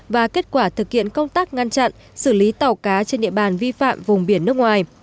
và kết quả thực hiện công tác ngăn chặn xử lý tàu cá trên địa bàn vi phạm vùng biển nước ngoài